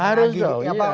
harus jauh iya